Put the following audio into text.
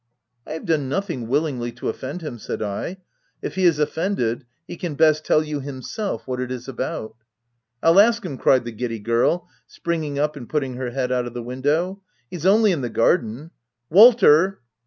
" I have done nothing willingly to offend him/' said I. " If he is offended, he can best tell you himself what it is about." " I'll ask him," cried the giddy girl, spring ing up and putting her head out of the window ;" he's only in the garden — Walter